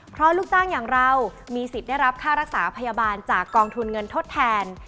เพราะลูกจ้างอย่างเรามีสิทธิ์ได้รับค่ารักษาพยาบาลจากกองทุนเงินทดแทน